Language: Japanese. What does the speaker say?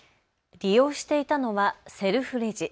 利用していたのはセルフレジ。